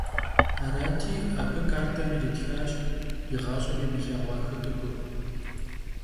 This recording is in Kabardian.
Arati, abı kartem yiritxaş yiğaş'em yimılheğua xıt'ıgur.